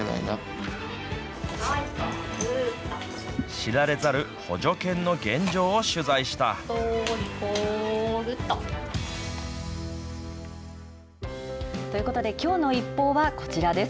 知られざる補助犬の現状を取材した。ということで、きょうのＩＰＰＯＵはこちらです。